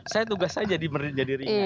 saya tugas saja di menjadirinya